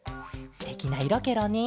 すてきないろケロね。